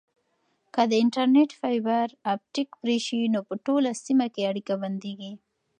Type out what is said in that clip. که د انټرنیټ فایبر اپټیک پرې شي نو په ټوله سیمه کې اړیکه بندیږي.